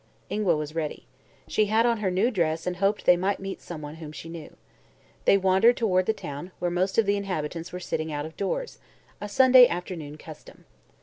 Ingua was ready. She had on her new dress and hoped they might meet someone whom she knew. They wandered toward the town, where most of the inhabitants were sitting outf of doors a Sunday afternoon custom.